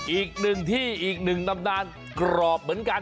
อีกหนึ่งที่อีกหนึ่งตำนานกรอบเหมือนกัน